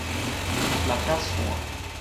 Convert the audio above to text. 六角傘